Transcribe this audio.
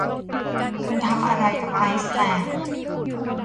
คุณทำอะไรกับไอซ์แลนด์ ?